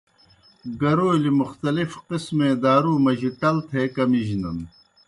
گَرَولیْ مختلف قسمے دارو مجیْ ٹل تھے کمِجنَن۔